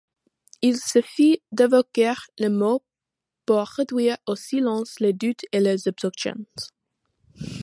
Il suffit d'évoquer le mot pour réduire au silence les doutes et les objections.